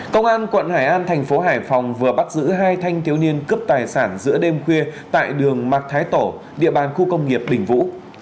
công an quận hải an thành phố hải phòng vừa bắt giữ hai thanh thiếu niên cướp tài sản giữa đêm khuya tại đường mạc thái tổ địa bàn khu công nghiệp đình vũ